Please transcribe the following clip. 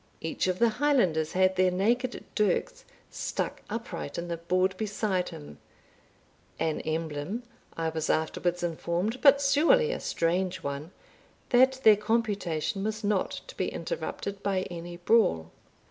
Each of the Highlanders had their naked dirks stuck upright in the board beside him, an emblem, I was afterwards informed, but surely a strange one, that their computation was not to be interrupted by any brawl.